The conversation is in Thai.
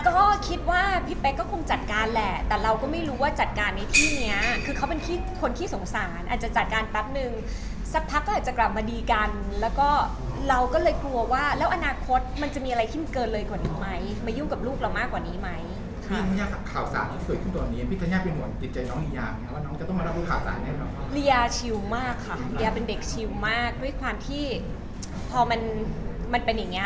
ก็คิดว่าพี่แป๊กก็คงจัดการแหละแต่เราก็ไม่รู้ว่าจัดการในที่เนี้ยคือเขาเป็นที่คนที่สงสารอาจจะจัดการปั๊บหนึ่งสักพักก็อาจจะกลับมาดีกันแล้วก็เราก็เลยกลัวว่าแล้วอนาคตมันจะมีอะไรขึ้นเกินเลยก่อนอีกไหมมายุ่งกับลูกเรามากกว่านี้ไหมค่ะข่าวสารที่เกิดขึ้นตอนนี้พี่ธัญญาเป็นหวังจิตใจน้อง